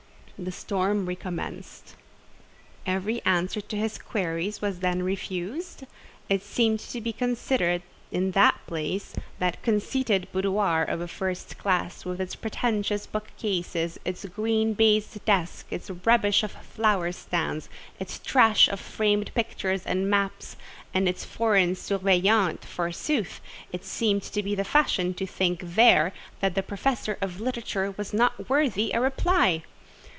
The storm recommenced. "Every answer to his queries was then refused? It seemed to be considered in that place—that conceited boudoir of a first classe, with its pretentious book cases, its green baized desks, its rubbish of flower stands, its trash of framed pictures and maps, and its foreign surveillante, forsooth!—it seemed to be the fashion to think there that the Professor of Literature was not worthy of a reply!